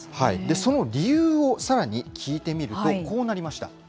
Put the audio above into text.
その理由をさらに聞いてみるとこうなりました。